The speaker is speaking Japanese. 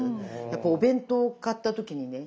やっぱお弁当を買った時にね